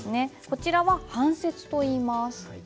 こちらは半切といいます。